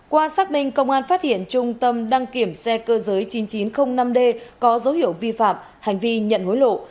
qua xác minh công an phát hiện trung tâm đăng kiểm xe cơ giới chín nghìn chín trăm linh năm d có dấu hiệu vi phạm hành vi nhận hối lộ